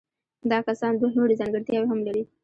دا کسان دوه نورې ځانګړتیاوې هم لري.